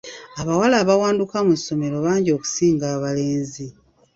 Abawala abawanduka mu ssomero bangi okusinga abalenzi.